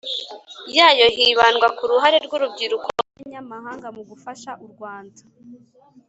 yayo hibandwa ku ruhare rw urubyiruko rw abanyamahanga mu gufasha u Rwanda